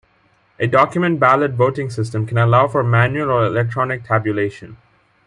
A document ballot voting system can allow for manual or electronic tabulation.